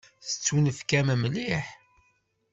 Tettunefk-am mliḥ.